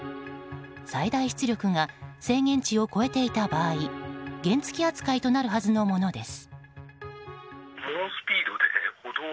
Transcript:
最大出力が制限値を超えていた場合原付き扱いとなるはずのものです。